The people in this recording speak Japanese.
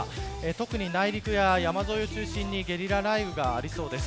特に内陸や山沿いを中心にゲリラ雷雨がありそうです。